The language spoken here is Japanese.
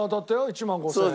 １万５０００円。